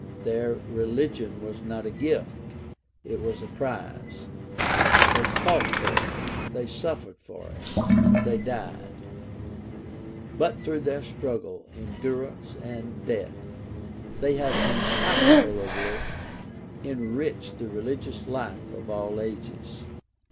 Their religion was not a gift; it was a prize. They fought for it; they suffered for it; they died. But through their struggle, endurance, and death they have incalculably enriched the religious life of all ages.